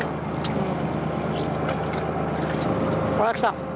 うん。